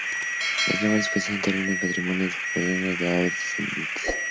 Los nobles poseían terrenos patrimoniales que podían heredar a sus descendientes.